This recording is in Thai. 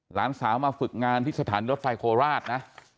หลานสาวมาฝึกงานที่สถานีรถไฟโคราชนะ